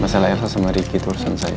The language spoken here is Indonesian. masalah elsa sama ricky itu urusan saya